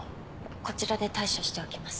こちらで対処しておきます。